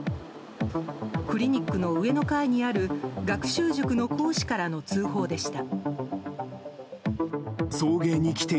クリニックの上の階にある学習塾の講師からの通報でした。